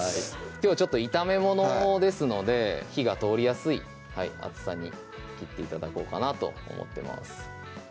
きょうは炒め物ですので火が通りやすい厚さに切って頂こうかなと思ってます